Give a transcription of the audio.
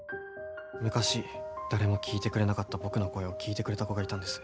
昔誰も聞いてくれなかった僕の声を聞いてくれた子がいたんです。